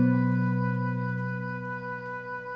neng mah kayak gini